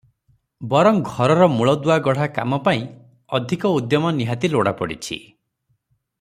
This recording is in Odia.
ବରଂ ଘରର ମୂଳଦୁଆ ଗଢ଼ା କାମ ପାଇଁ ଅଧକ ଉଦ୍ୟମ ନିହାତି ଲୋଡ଼ାପଡ଼ିଛି ।